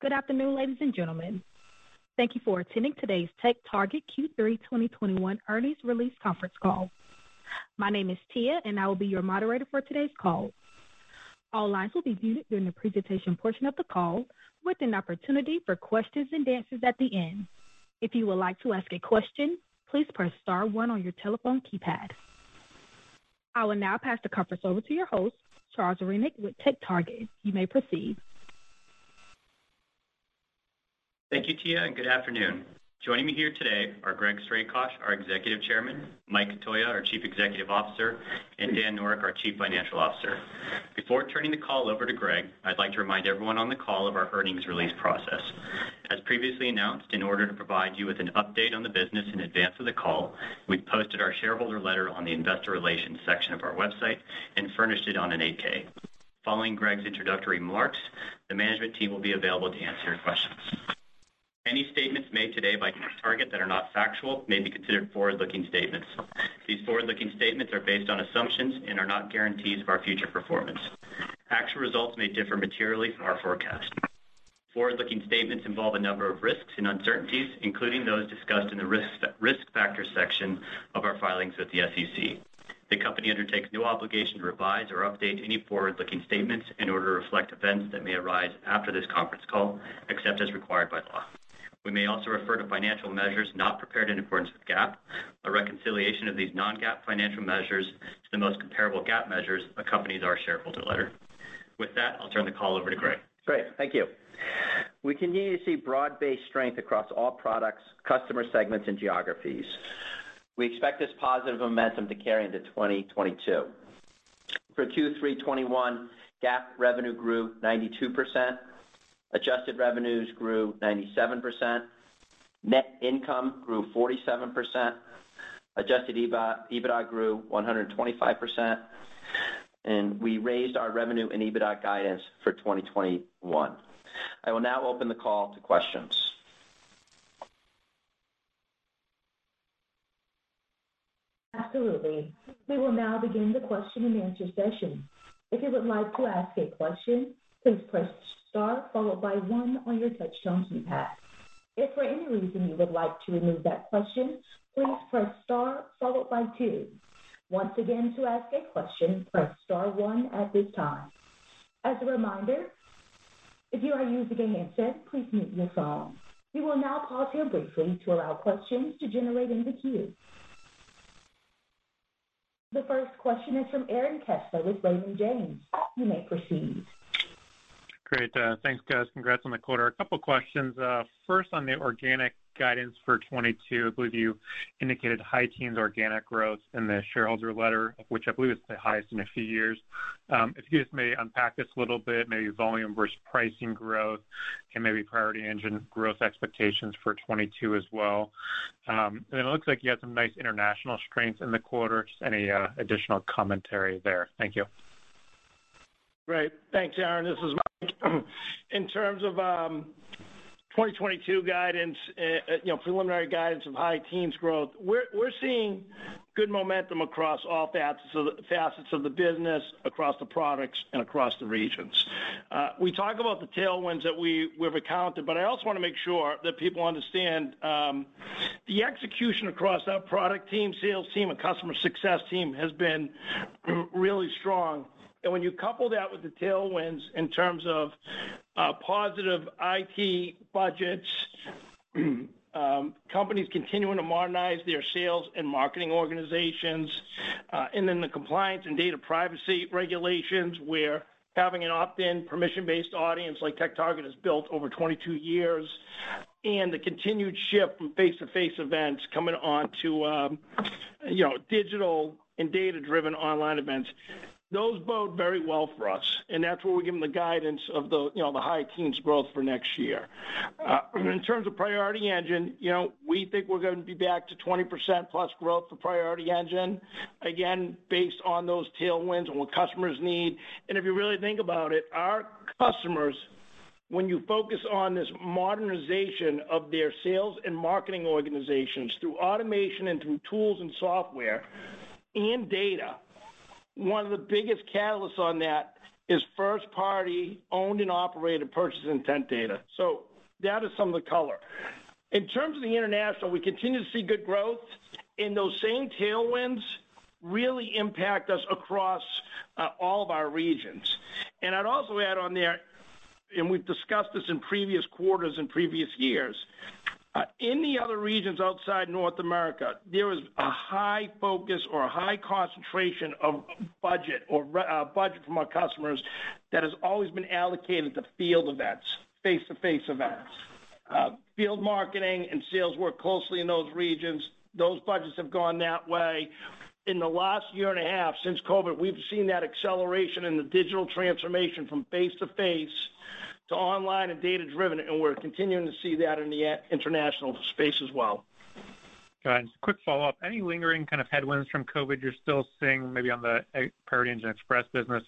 Good afternoon, ladies and gentlemen. Thank you for attending today's TechTarget Q3 2021 Earnings Release Conference Call. My name is Tia, and I will be your moderator for today's call. All lines will be muted during the presentation portion of the call, with an opportunity for questions and answers at the end. If you would like to ask a question, please press star one on your telephone keypad. I will now pass the Conference over to your host, Charles Rennick with TechTarget. You may proceed. Thank you, Tia, and good afternoon. Joining me here today are Greg Strakosch, our Executive Chairman, Mike Cotoia, our Chief Executive Officer, and Dan Noreck, our Chief Financial Officer. Before turning the call over to Greg, I'd like to remind everyone on the call of our earnings release process. As previously announced, in order to provide you with an update on the business in advance of the call, we've posted our shareholder letter on the investor relations section of our website and furnished it on an 8-K. Following Greg's introductory remarks, the management team will be available to answer your questions. Any statements made today by TechTarget that are not factual may be considered forward-looking statements. These forward-looking statements are based on assumptions and are not guarantees of our future performance. Actual results may differ materially from our forecast. Forward-looking statements involve a number of risks and uncertainties, including those discussed in the risk factor section of our filings with the SEC. The company undertakes no obligation to revise or update any forward-looking statements in order to reflect events that may arise after this conference call, except as required by law. We may also refer to financial measures not prepared in accordance with GAAP. A reconciliation of these non-GAAP financial measures to the most comparable GAAP measures accompanies our shareholder letter. With that, I'll turn the call over to Greg. Great. Thank you. We continue to see broad-based strength across all products, customer segments, and geographies. We expect this positive momentum to carry into 2022. For Q3 2021, GAAP revenue grew 92%. Adjusted revenues grew 97%. Net income grew 47%. Adjusted EBITDA grew 125%. We raised our revenue and EBITDA guidance for 2021. I will now open the call to questions. Absolutely. We will now begin the Q&A session. If you would like to ask a question, please press star followed by one on your touchtone keypad. If for any reason you would like to remove that question, please press star followed by two. Once again, to ask a question, press star one at this time. As a reminder, if you are using a handset, please mute your phone. We will now pause here briefly to allow questions to generate in the queue. The first question is from Aaron Kessler with Raymond James. You may proceed. Great. Thanks, guys. Congrats on the quarter. A couple questions. First on the organic guidance for 2022, I believe you indicated high teens organic growth in the shareholder letter, which I believe is the highest in a few years. If you just may unpack this a little bit, maybe volume versus pricing growth and maybe Priority Engine growth expectations for 2022 as well. It looks like you had some nice international strengths in the quarter. Just any additional commentary there. Thank you. Great. Thanks, Aaron. This is Mike. In terms of 2022 guidance, you know, preliminary guidance of high-teens growth, we're seeing good momentum across all facets of the business, across the products and across the regions. We talk about the tailwinds that we've accounted, but I also wanna make sure that people understand the execution across our product team, sales team, and customer success team has been really strong. When you couple that with the tailwinds in terms of positive IT budgets, companies continuing to modernize their sales and marketing organizations, and then the compliance and data privacy regulations, we're having an opt-in permission-based audience like TechTarget has built over 22 years, and the continued shift from face-to-face events coming onto, you know, digital and data-driven online events. Those bode very well for us, and that's where we're giving the guidance of the, you know, the high teens growth for next year. In terms of Priority Engine, you know, we think we're gonna be back to 20%+ growth for Priority Engine, again, based on those tailwinds and what customers need. If you really think about it, our customers, when you focus on this modernization of their sales and marketing organizations through automation and through tools and software and data, one of the biggest catalysts on that is first-party owned and operated purchase intent data. So that is some of the color. In terms of the international, we continue to see good growth, and those same tailwinds really impact us across all of our regions. I'd also add on there, we've discussed this in previous quarters and previous years, any other regions outside North America, there is a high focus or a high concentration of budget from our customers that has always been allocated to field events, face-to-face events. Field marketing and sales work closely in those regions. Those budgets have gone that way. In the last year and a half since COVID, we've seen that acceleration in the digital transformation from face-to-face to online and data-driven, and we're continuing to see that in the international space as well. Got it. Quick follow-up. Any lingering kind of headwinds from COVID you're still seeing maybe on the Priority Engine Express business?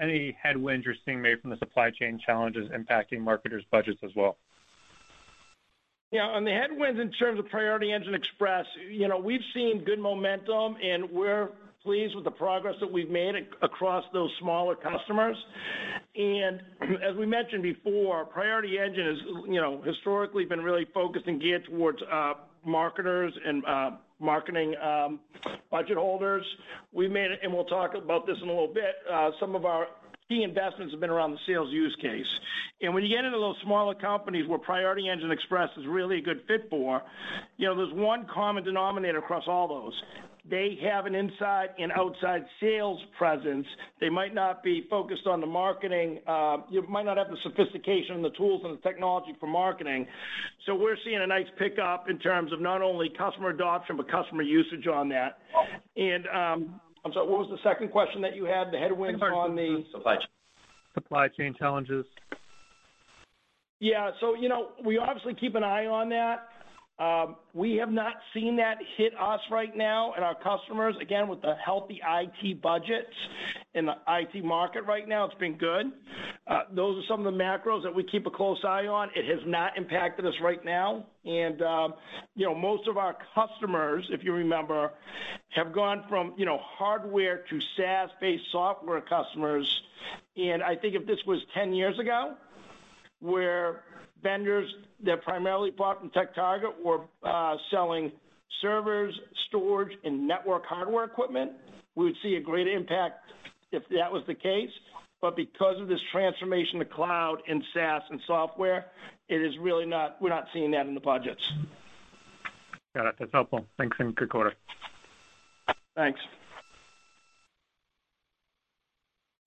Any headwinds you're seeing maybe from the supply chain challenges impacting marketers' budgets as well? Yeah, on the headwinds in terms of Priority Engine Express, you know, we've seen good momentum, and we're pleased with the progress that we've made across those smaller customers. As we mentioned before, Priority Engine is, you know, historically been really focused and geared towards marketers and marketing budget holders. We'll talk about this in a little bit, some of our key investments have been around the sales use case. When you get into those smaller companies where Priority Engine Express is really a good fit for, you know, there's one common denominator across all those. They have an inside and outside sales presence. They might not be focused on the marketing, they might not have the sophistication and the tools and the technology for marketing. We're seeing a nice pickup in terms of not only customer adoption, but customer usage on that. I'm sorry, what was the second question that you had? The headwinds on the Supply chain. Supply chain challenges. Yeah. You know, we obviously keep an eye on that. We have not seen that hit us right now and our customers. Again, with the healthy IT budgets in the IT market right now, it's been good. Those are some of the macros that we keep a close eye on. It has not impacted us right now. You know, most of our customers, if you remember, have gone from, you know, hardware to SaaS-based software customers. I think if this was 10 years ago, where vendors that primarily bought from TechTarget were, selling servers, storage, and network hardware equipment, we would see a greater impact if that was the case. Because of this transformation to cloud and SaaS and software, it is really not. We're not seeing that in the budgets. Got it. That's helpful. Thanks, and good quarter. Thanks.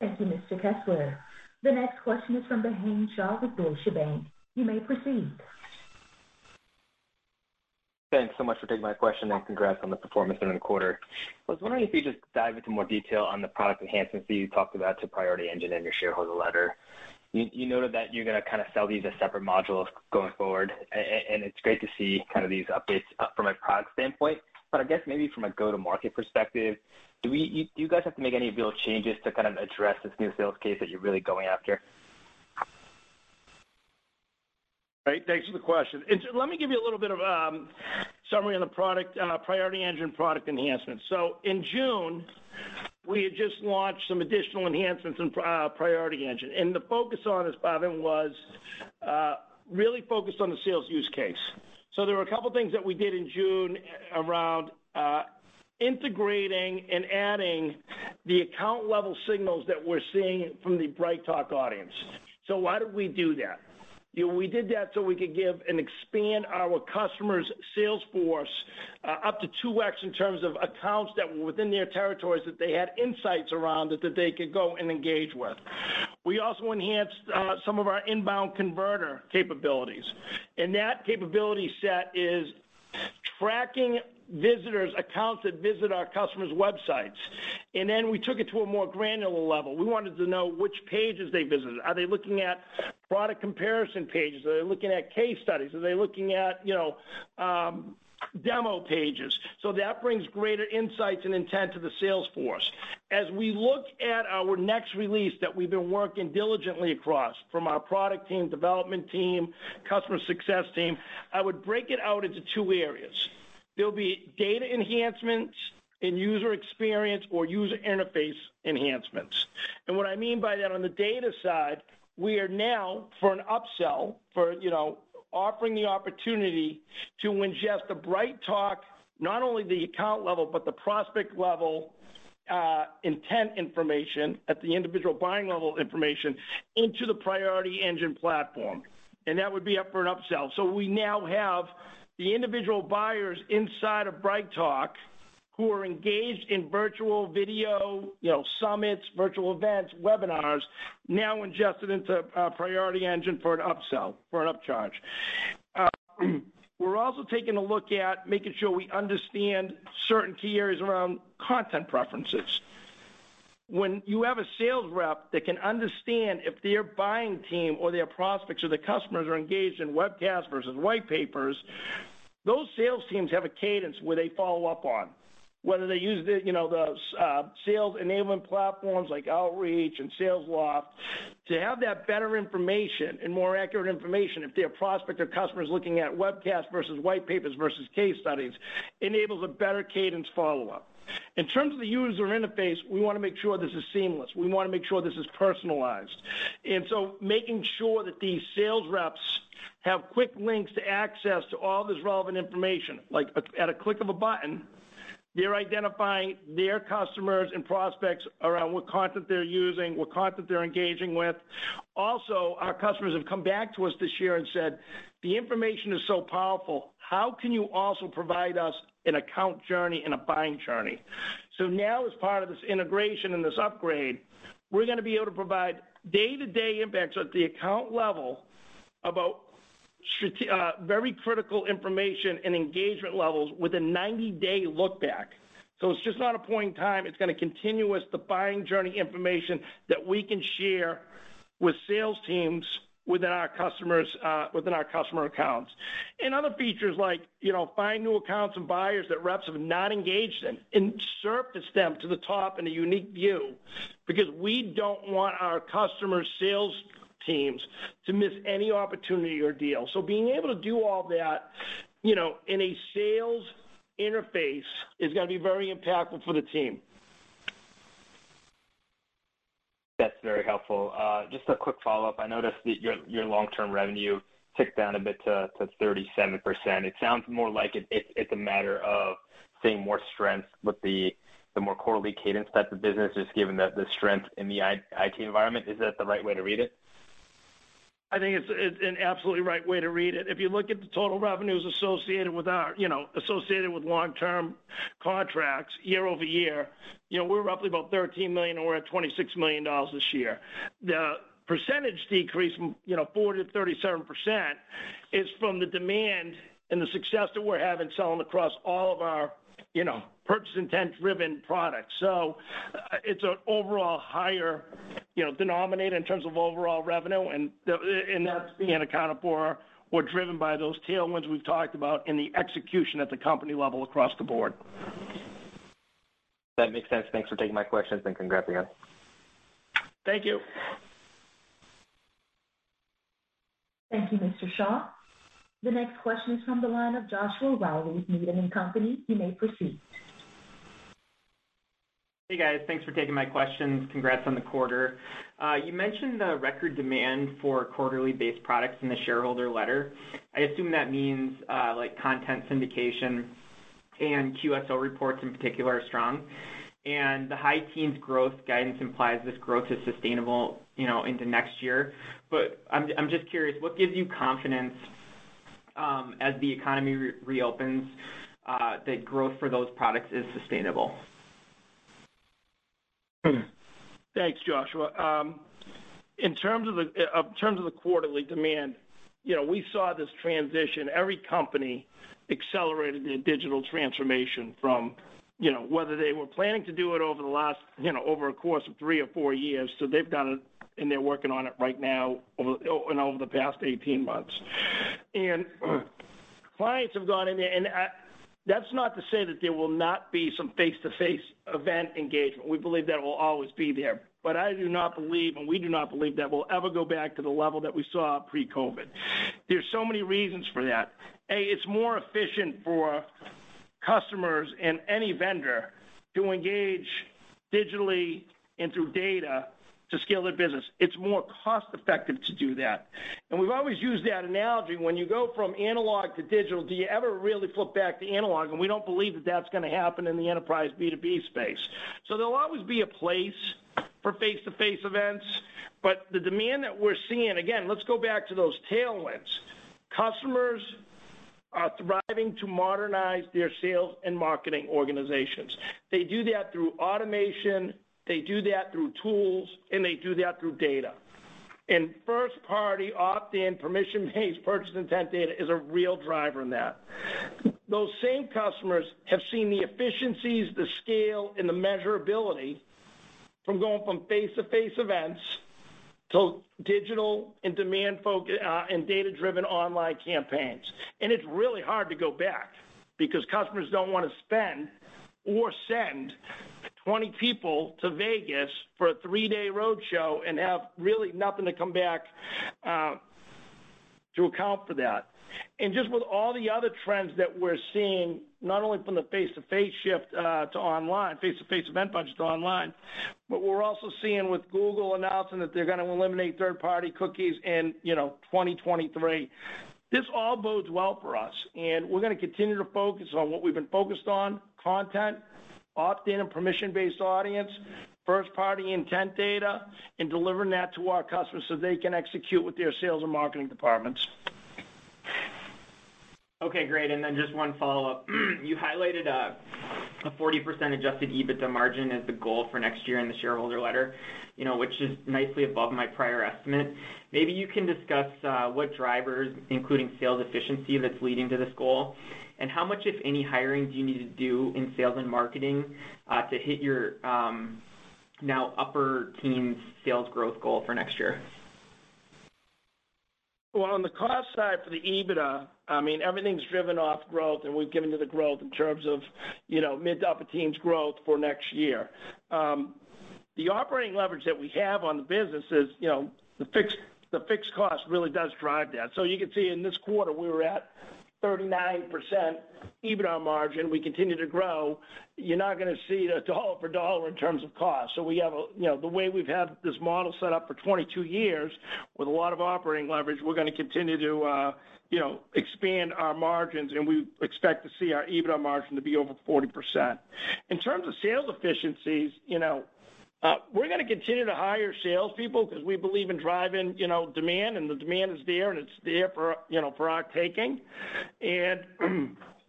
Thank you, Mr. Kessler. The next question is from Bhavin Shah with Deutsche Bank. You may proceed. Thanks so much for taking my question, and congrats on the performance in the quarter. I was wondering if you could just dive into more detail on the product enhancements that you talked about to Priority Engine in your shareholder letter. You noted that you're gonna kinda sell these as separate modules going forward. It's great to see kind of these updates from a product standpoint. I guess maybe from a go-to-market perspective, do you guys have to make any real changes to kind of address this new sales case that you're really going after? Great. Thanks for the question. Let me give you a little bit of summary on the product, Priority Engine product enhancements. In June, we had just launched some additional enhancements in Priority Engine, and the focus on this, Bhavin, was really focused on the sales use case. There were a couple of things that we did in June around integrating and adding the account-level signals that we're seeing from the BrightTALK audience. Why did we do that? You know, we did that so we could give and expand our customers' sales force up to 2x in terms of accounts that were within their territories that they had insights around that they could go and engage with. We also enhanced some of our Inbound Converter capabilities, and that capability set is tracking visitors, accounts that visit our customers' websites. Then we took it to a more granular level. We wanted to know which pages they visited. Are they looking at product comparison pages? Are they looking at case studies? Are they looking at, you know, demo pages? That brings greater insights and intent to the sales force. As we look at our next release that we've been working diligently across from our product team, development team, customer success team, I would break it out into two areas. There'll be data enhancements and user experience or user interface enhancements. What I mean by that on the data side, we are now offering an upsell for, you know, offering the opportunity to ingest the BrightTALK not only the account level, but the prospect level, intent information at the individual buying level information into the Priority Engine platform. That would be up for an upsell. We now have the individual buyers inside of BrightTALK who are engaged in virtual video, you know, summits, virtual events, webinars, now ingested into Priority Engine for an upsell, for an upcharge. We're also taking a look at making sure we understand certain key areas around content preferences. When you have a sales rep that can understand if their buying team or their prospects or their customers are engaged in webcasts versus white papers, those sales teams have a cadence where they follow up on. Whether they use the, you know, sales enabling platforms like Outreach and Salesloft, to have that better information and more accurate information if their prospect or customer is looking at webcasts versus white papers versus case studies, enables a better cadence follow-up. In terms of the user interface, we wanna make sure this is seamless. We wanna make sure this is personalized. Making sure that these sales reps have quick links to access all this relevant information. Like at a click of a button, they're identifying their customers and prospects around what content they're using, what content they're engaging with. Also, our customers have come back to us this year and said, "The information is so powerful. How can you also provide us an account journey and a buying journey?" Now as part of this integration and this upgrade, we're gonna be able to provide day-to-day impacts at the account level about very critical information and engagement levels with a 90-day look back. It's just not a point in time. It's gonna continue the buying journey information that we can share with sales teams within our customers', within our customer accounts. Other features like, you know, find new accounts and buyers that reps have not engaged in and surface them to the top in a unique view because we don't want our customers' sales teams to miss any opportunity or deal. Being able to do all that, you know, in a sales interface is gonna be very impactful for the team. That's very helpful. Just a quick follow-up. I noticed that your long-term revenue ticked down a bit to 37%. It sounds more like it's a matter of seeing more strength with the more quarterly cadence that the business is given the strength in the IT environment. Is that the right way to read it? I think it's an absolutely right way to read it. If you look at the total revenues associated with long-term contracts year-over-year, you know, we're roughly about $13 million, and we're at $26 million this year. The percentage decrease from 40% to 37% is from the demand and the success that we're having selling across all of our, you know, purchase intent-driven products. It's an overall higher, you know, denominator in terms of overall revenue, and that's being accounted for or driven by those tailwinds we've talked about in the execution at the company level across the board. That makes sense. Thanks for taking my questions, and congrats again. Thank you. Thank you, Mr. Shah. The next question is from the line of Joshua Reilly, Needham & Company. You may proceed. Hey, guys. Thanks for taking my questions. Congrats on the quarter. You mentioned the record demand for quarterly-based products in the shareholder letter. I assume that means like content syndication and QSO reports in particular are strong. The high teens growth guidance implies this growth is sustainable, you know, into next year. I'm just curious, what gives you confidence as the economy reopens that growth for those products is sustainable? Thanks, Joshua. In terms of the quarterly demand, you know, we saw this transition. Every company accelerated their digital transformation from, you know, whether they were planning to do it over the last, you know, over a course of three or four years. They've done it, and they're working on it right now over the past 18 months. Clients have gone in there, and that's not to say that there will not be some face-to-face event engagement. We believe that will always be there. I do not believe, and we do not believe that we'll ever go back to the level that we saw pre-COVID. There's so many reasons for that. A, it's more efficient for customers and any vendor to engage digitally and through data to scale their business. It's more cost-effective to do that. We've always used that analogy. When you go from analog to digital, do you ever really flip back to analog? We don't believe that that's gonna happen in the enterprise B2B space. There'll always be a place for face-to-face events, but the demand that we're seeing. Again, let's go back to those tailwinds. Customers are striving to modernize their sales and marketing organizations. They do that through automation, they do that through tools, and they do that through data. First-party opt-in permission-based purchase intent data is a real driver in that. Those same customers have seen the efficiencies, the scale, and the measurability from going to face-to-face events to digital and data-driven online campaigns. It's really hard to go back because customers don't wanna spend or send 20 people to Vegas for a three-day road show and have really nothing to come back to account for that. Just with all the other trends that we're seeing, not only from the face-to-face shift to online, face-to-face event budget to online, but we're also seeing with Google announcing that they're gonna eliminate third-party cookies in, you know, 2023. This all bodes well for us, and we're gonna continue to focus on what we've been focused on, content, opt-in and permission-based audience, first-party intent data, and delivering that to our customers so they can execute with their sales and marketing departments. Okay, great. Just one follow-up. You highlighted a 40% adjusted EBITDA margin as the goal for next year in the shareholder letter, you know, which is nicely above my prior estimate. Maybe you can discuss what drivers, including sales efficiency, that's leading to this goal, and how much, if any, hiring do you need to do in sales and marketing to hit your now upper teen sales growth goal for next year? Well, on the cost side for the EBITDA, I mean, everything's driven off growth, and we've given you the growth in terms of, you know, mid- to upper-teens growth for next year. The operating leverage that we have on the business is, you know, the fixed cost really does drive that. So you can see in this quarter, we were at 39% EBITDA margin. We continue to grow. You're not gonna see a dollar for dollar in terms of cost. So we have, you know, the way we've had this model set up for 22 years with a lot of operating leverage, we're gonna continue to, you know, expand our margins, and we expect to see our EBITDA margin to be over 40%. In terms of sales efficiencies, you know, we're gonna continue to hire sales people because we believe in driving, you know, demand, and the demand is there, and it's there for, you know, for our taking.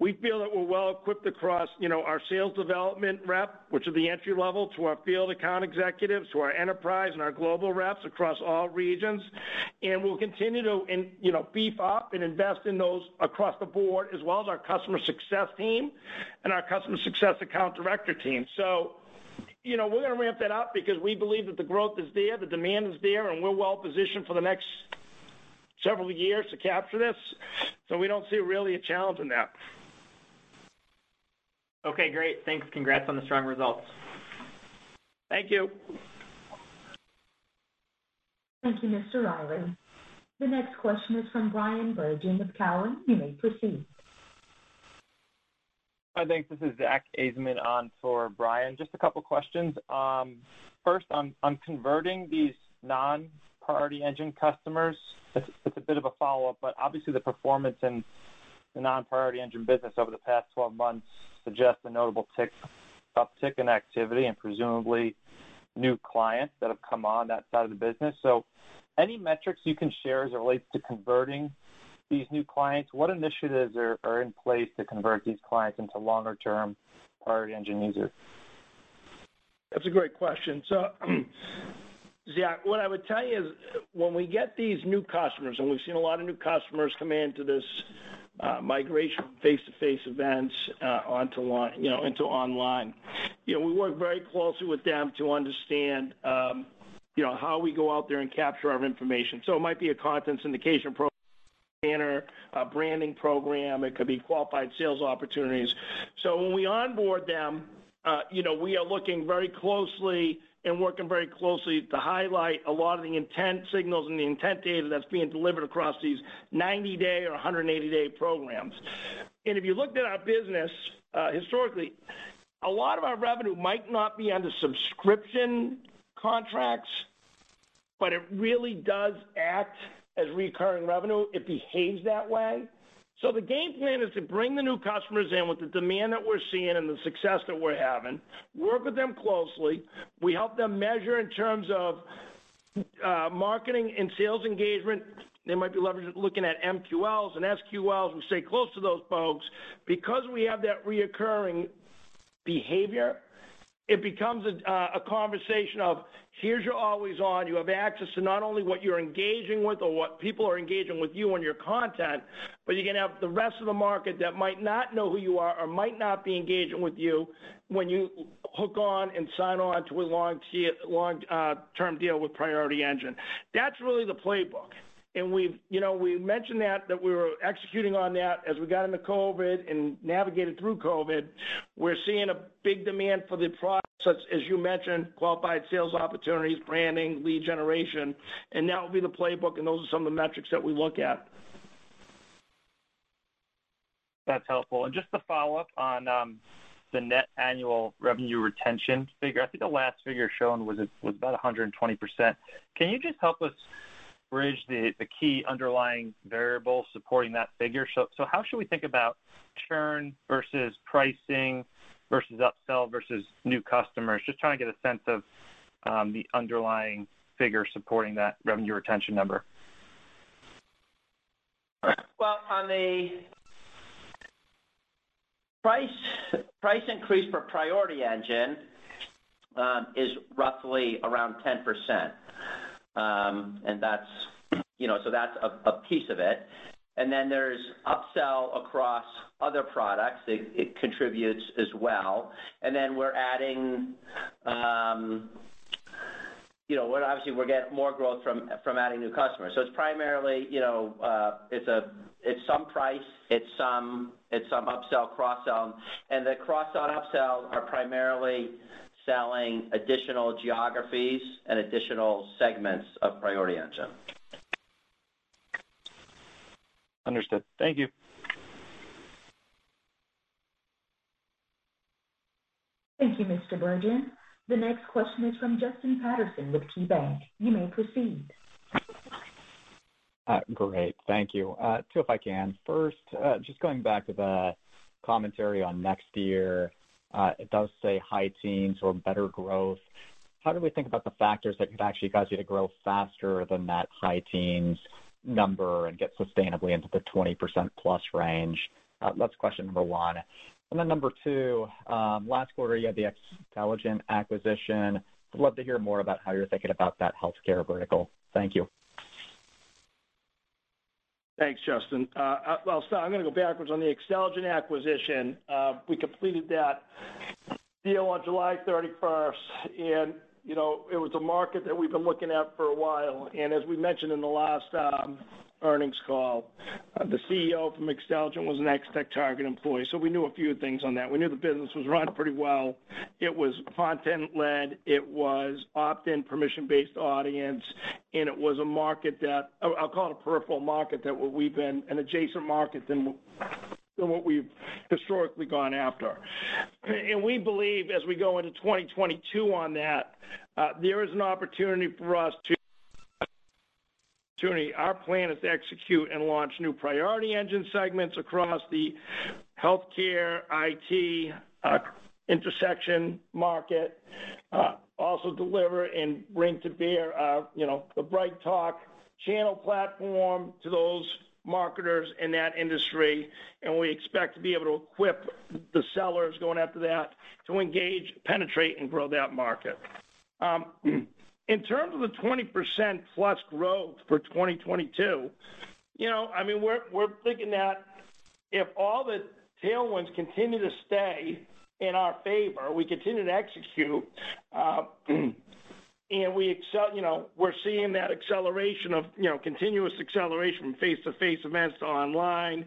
We feel that we're well equipped across, you know, our sales development rep, which are the entry level, to our field account executives, to our enterprise and our global reps across all regions. We'll continue to you know, beef up and invest in those across the board as well as our customer success team and our customer success account director team. You know, we're gonna ramp that up because we believe that the growth is there, the demand is there, and we're well positioned for the next several years to capture this. We don't see really a challenge in that. Okay, great. Thanks. Congrats on the strong results. Thank you. Thank you, Mr. Reilly. The next question is from Bryan Bergin with Cowen. You may proceed. Hi. Thanks. This is Zach Ajzenman on for Bryan. Just a couple questions. First on converting these non-Priority Engine customers. It's a bit of a follow-up, but obviously the performance in the non-Priority Engine business over the past 12 months suggests a notable uptick in activity and presumably new clients that have come on that side of the business. Any metrics you can share as it relates to converting these new clients? What initiatives are in place to convert these clients into longer-term Priority Engine users? That's a great question. Zach, what I would tell you is when we get these new customers, and we've seen a lot of new customers come in to this migration from face-to-face events, you know, into online. You know, we work very closely with them to understand, you know, how we go out there and capture our information. It might be a content syndication program, a webinar program, a branding program. It could be qualified sales opportunities. When we onboard them, you know, we are looking very closely and working very closely to highlight a lot of the intent signals and the intent data that's being delivered across these 90-day or 180-day programs. If you looked at our business, historically, a lot of our revenue might not be under subscription contracts, but it really does act as recurring revenue. It behaves that way. The game plan is to bring the new customers in with the demand that we're seeing and the success that we're having, work with them closely. We help them measure in terms of, marketing and sales engagement. They might be looking at MQLs and SQLs. We stay close to those folks. Because we have that recurring behavior, it becomes a conversation of, here's your AlwaysOn. You have access to not only what you're engaging with or what people are engaging with you on your content, but you can have the rest of the market that might not know who you are or might not be engaging with you when you hook on and sign on to a long term deal with Priority Engine. That's really the playbook. We've, you know, we mentioned that we were executing on that as we got into COVID and navigated through COVID. We're seeing a big demand for the products, as you mentioned, qualified sales opportunities, branding, lead generation, and that will be the playbook, and those are some of the metrics that we look at. That's helpful. Just to follow up on the net annual revenue retention figure. I think the last figure shown was about 120%. Can you just help us bridge the key underlying variables supporting that figure? How should we think about churn versus pricing versus upsell versus new customers? Just trying to get a sense of the underlying figure supporting that revenue retention number. Well, on the price increase for Priority Engine is roughly around 10%. That's, you know, so that's a piece of it. There's upsell across other products. It contributes as well. We're adding, you know, obviously we're getting more growth from adding new customers. It's primarily, you know, it's some price, it's some upsell, cross-sell. The cross-sell and upsell are primarily selling additional geographies and additional segments of Priority Engine. Understood. Thank you. Thank you, Zach Ajzenman. The next question is from Justin Patterson with KeyBanc Capital Markets. You may proceed. Great. Thank you. Two, if I can. First, just going back to the commentary on next year. It does say high teens or better growth. How do we think about the factors that could actually cause you to grow faster than that high teens number and get sustainably into the 20%+ range? That's question number one. Number two, last quarter you had the Xtelligent acquisition. I'd love to hear more about how you're thinking about that healthcare vertical. Thank you. Thanks, Justin. Well, so I'm gonna go backwards on the Xtelligent acquisition. We completed that deal on July 31st, and, you know, it was a market that we've been looking at for a while. As we mentioned in the last earnings call, the CEO from Xtelligent was an ex TechTarget employee, so we knew a few things on that. We knew the business was run pretty well. It was content led, it was opt-in permission-based audience, and it was a market that I'll call it a peripheral market, an adjacent market than what we've historically gone after. We believe as we go into 2022 on that, there is an opportunity for us to understand. Our plan is to execute and launch new Priority Engine segments across the healthcare, IT, intersection market. Also deliver and bring to bear the BrightTALK channel platform to those marketers in that industry. And we expect to be able to equip the sellers going after that to engage, penetrate, and grow that market. In terms of the 20%+ growth for 2022, I mean, we're thinking that if all the tailwinds continue to stay in our favour, we continue to execute. You know, we're seeing that acceleration of, you know, continuous acceleration from face-to-face events to online,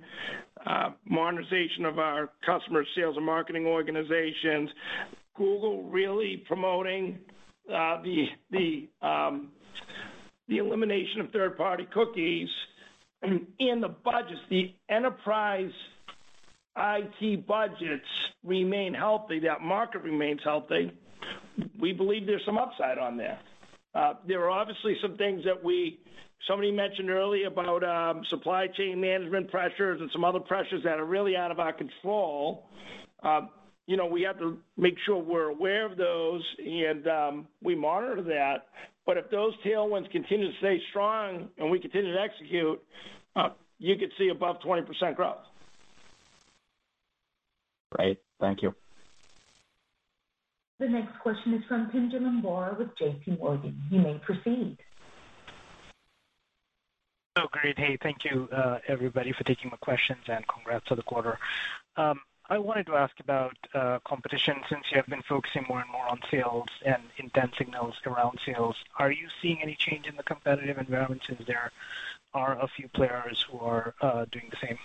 modernization of our customer sales and marketing organizations. Google really promoting the elimination of third-party cookies and the budgets. The enterprise IT budgets remain healthy, that market remains healthy. We believe there's some upside on there. There are obviously some things that somebody mentioned earlier about supply chain management pressures and some other pressures that are really out of our control. You know, we have to make sure we're aware of those and we monitor that. But if those tailwinds continue to stay strong and we continue to execute, you could see above 20% growth. Great. Thank you. The next question is from Pinjalim Bora with JPMorgan. You may proceed. Oh, great. Hey, thank you, everybody, for taking my questions, and congrats on the quarter. I wanted to ask about competition. Since you have been focusing more and more on sales and intent signals around sales, are you seeing any change in the competitive environment since there are a few players who are doing the same?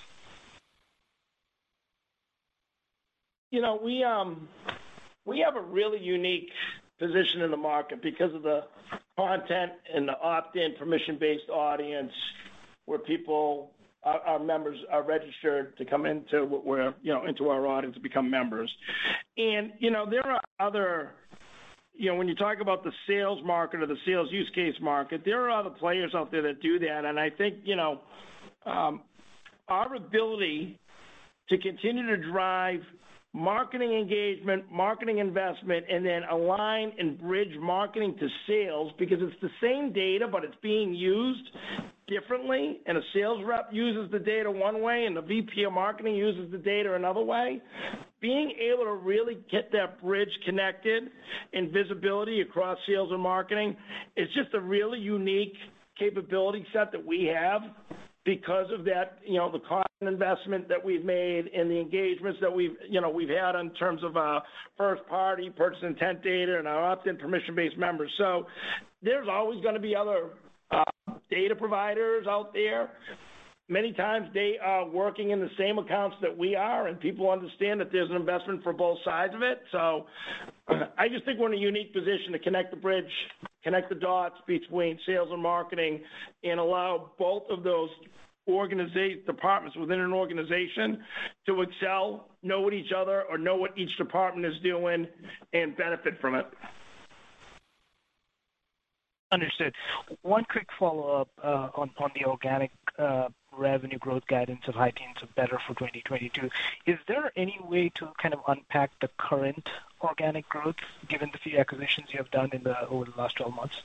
You know, we have a really unique position in the market because of the content and the opt-in permission-based audience, where people, our members are registered to come into what we're, you know, into our audience to become members. You know, when you talk about the sales market or the sales use case market, there are other players out there that do that. I think, you know, our ability to continue to drive marketing engagement, marketing investment, and then align and bridge marketing to sales because it's the same data, but it's being used differently, and a sales rep uses the data one way, and the VP of marketing uses the data another way. Being able to really get that bridge connected and visibility across sales and marketing is just a really unique capability set that we have because of that, you know, the content investment that we've made and the engagements that we've, you know, we've had in terms of first-party purchase intent data and our opt-in permission-based members. So there's always gonna be other data providers out there. Many times they are working in the same accounts that we are, and people understand that there's an investment for both sides of it. So I just think we're in a unique position to connect the bridge, connect the dots between sales and marketing and allow both of those departments within an organization to excel, know what each other, or know what each department is doing and benefit from it. Understood. One quick follow-up on the organic revenue growth guidance of high teens or better for 2022. Is there any way to kind of unpack the current organic growth given the few acquisitions you have done over the last 12 months?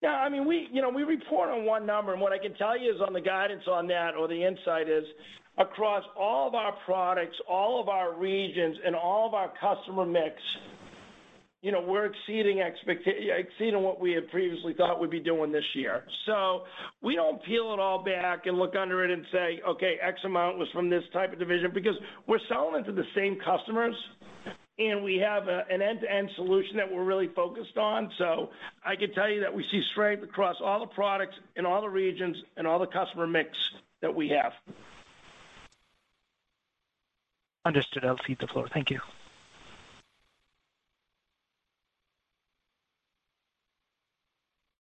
Yeah, I mean, we, you know, we report on one number, and what I can tell you is on the guidance on that or the insight is across all of our products, all of our regions, and all of our customer mix, you know, we're exceeding what we had previously thought we'd be doing this year. We don't peel it all back and look under it and say, "Okay, X amount was from this type of division," because we're selling it to the same customers, and we have an end-to-end solution that we're really focused on. I can tell you that we see strength across all the products in all the regions and all the customer mix that we have. Understood. I'll procede to the floor. Thank you.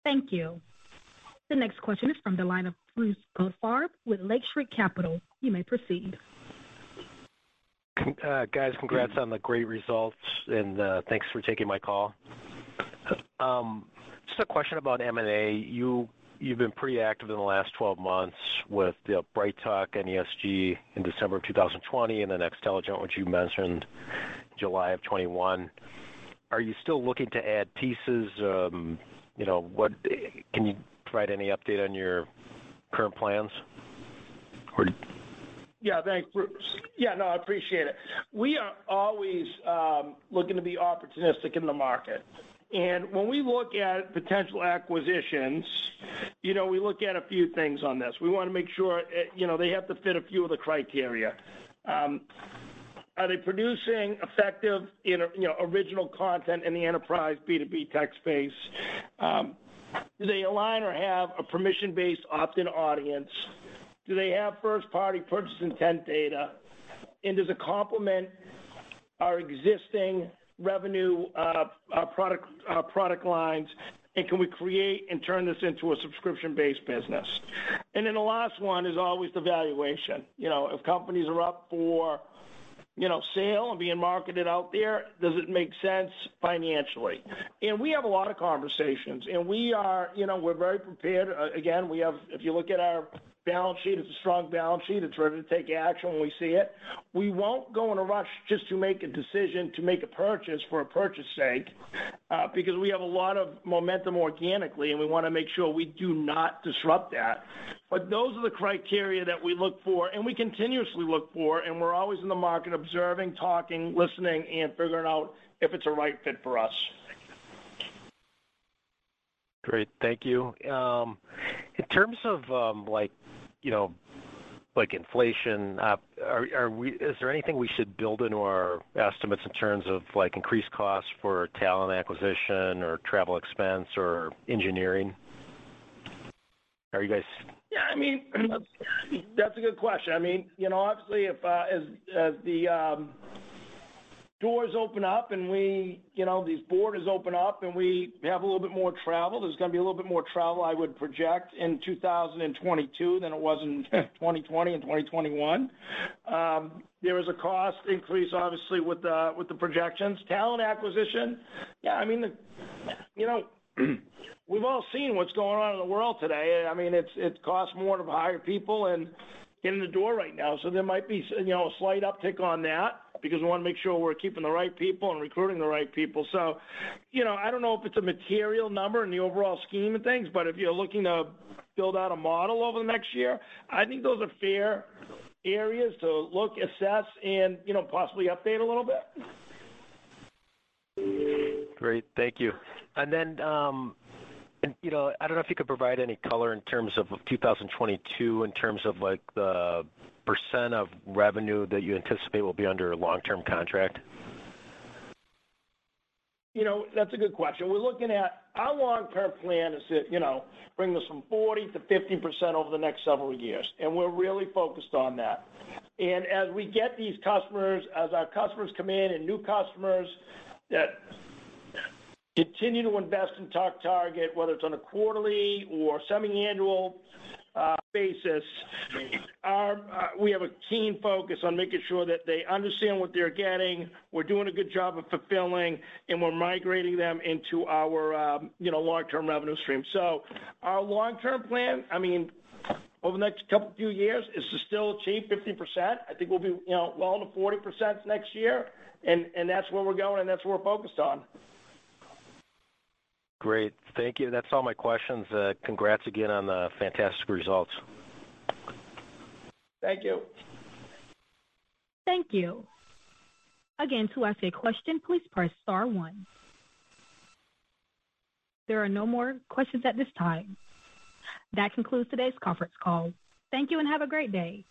Thank you. The next question is from the line of Bruce Goldfarb with Lake Street Capital Markets. You may proceed. Guys, congrats on the great results, and thanks for taking my call. Just a question about M&A. You've been pretty active in the last 12 months with the BrightTALK and ESG in December 2020 and then Xtelligent, which you mentioned July 2021. Are you still looking to add pieces? You know, can you provide any update on your current plans? Or Yeah. Thanks, Bruce. Yeah, no, I appreciate it. We are always looking to be opportunistic in the market. When we look at potential acquisitions, you know, we look at a few things on this. We wanna make sure, you know, they have to fit a few of the criteria. Are they producing effective original content in the enterprise B2B tech space? Do they align or have a permission-based opt-in audience? Do they have first-party purchase intent data? Does it complement our existing revenue, product lines? Can we create and turn this into a subscription-based business? Then the last one is always the valuation. You know, if companies are up for, you know, sale and being marketed out there, does it make sense financially? We have a lot of conversations, and we are, you know, we're very prepared. We have. If you look at our balance sheet, it's a strong balance sheet. It's ready to take action when we see it. We won't go in a rush just to make a decision to make a purchase for a purchase sake, because we have a lot of momentum organically, and we wanna make sure we do not disrupt that. Those are the criteria that we look for and we continuously look for, and we're always in the market observing, talking, listening, and figuring out if it's a right fit for us. Thank you. Great. Thank you. In terms of, like, you know, like inflation, is there anything we should build into our estimates in terms of like increased costs for talent acquisition or travel expense or engineering? Are you guys? Yeah, I mean, that's a good question. I mean, you know, obviously if as the doors open up and we, you know, these borders open up and we have a little bit more travel, there's gonna be a little bit more travel, I would project in 2022 than it was in 2020 and 2021. There is a cost increase, obviously, with the projections. Talent acquisition. Yeah, I mean. You know, we've all seen what's going on in the world today. I mean, it costs more to hire people and get in the door right now. There might be you know, a slight uptick on that because we wanna make sure we're keeping the right people and recruiting the right people. you know, I don't know if it's a material number in the overall scheme of things, but if you're looking to build out a model over the next year, I think those are fair areas to look, assess and, you know, possibly update a little bit. Great. Thank you. You know, I don't know if you could provide any color in terms of 2022, in terms of like the % of revenue that you anticipate will be under a long-term contract? You know, that's a good question. We're looking at our long-term plan is to, you know, bring us from 40% to 50% over the next several years, and we're really focused on that. As we get these customers, as our customers come in and new customers that continue to invest in TechTarget, whether it's on a quarterly or semi-annual basis, we have a keen focus on making sure that they understand what they're getting, we're doing a good job of fulfilling, and we're migrating them into our, you know, long-term revenue stream. Our long-term plan, I mean, over the next couple, few years, is to still achieve 50%. I think we'll be, you know, well into 40% next year. That's where we're going and that's what we're focused on. Great. Thank you. That's all my questions. Congrats again on the fantastic results. Thank you. Thank you. Again, to ask a question, please press star one. There are no more questions at this time. That concludes today's Conference Call. Thank you, and have a great day.